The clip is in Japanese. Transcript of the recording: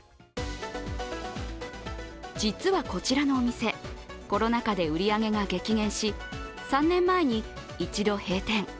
実は、こちらのお店コロナ禍で売り上げが激減し３年前に１度閉店。